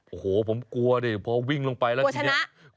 โอ้โฮผมกลัวดิพอวิ่งลงไปแล้วกินแน่กลัวชนะ